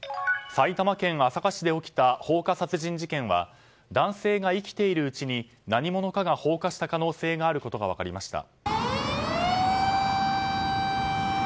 埼玉県朝霞市で起きた放火殺人事件は男性が生きているうちに何者かが放火した可能性があることが分かりました。